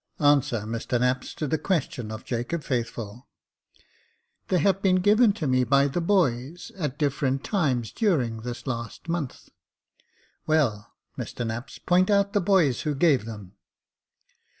" Answer, Mr Knapps, to the question of Jacob Faithful." *' They have been given to me by the boys at different times during this last month." " Well, Mr Knapps, point out the boys who gave them."